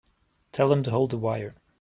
Tell them to hold the wire.